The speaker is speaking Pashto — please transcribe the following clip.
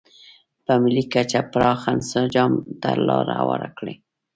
په ملي کچه پراخ انسجام ته لار هواره کړي.